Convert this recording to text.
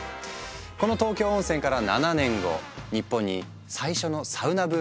この東京温泉から７年後日本に最初のサウナブームがやってくる。